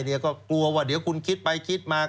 รู้ว่าเดี๋ยวคุณคิดไปคิดมา